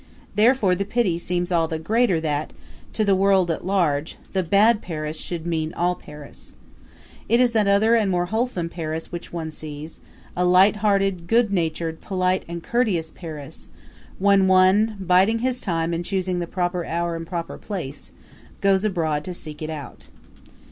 Therefore the pity seems all the greater that, to the world at large, the bad Paris should mean all Paris. It is that other and more wholesome Paris which one sees a light hearted, good natured, polite and courteous Paris when one, biding his time and choosing the proper hour and proper place, goes abroad to seek it out.